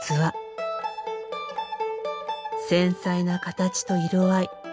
繊細な形と色合い。